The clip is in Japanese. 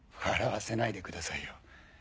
笑わせないでくださいよ。